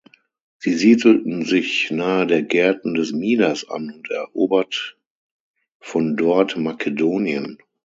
Sie siedelten sich nahe der Gärten des Midas an und erobert von dort Makedonien.